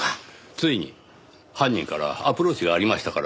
ついに犯人からアプローチがありましたからねぇ。